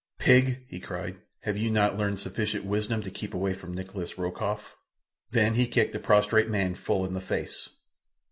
"Pig!" he cried. "Have you not learned sufficient wisdom to keep away from Nikolas Rokoff?" Then he kicked the prostrate man full in the face.